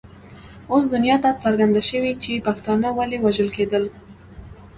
اوس دنیا ته څرګنده شوه چې پښتانه ولې وژل کېدل.